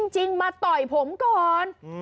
จริงมาต่อยผมก่อน